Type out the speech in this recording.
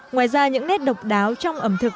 ngoài ra những nét độc đáo trong ẩm thực